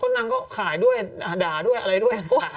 นางก็ขายด้วยด่าด้วยอะไรด้วย